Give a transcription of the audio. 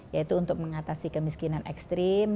yaitu untuk mengatasi kemiskinan ekstrim